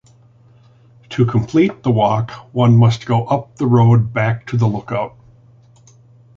To complete the walk one must go up the road back to the lookout.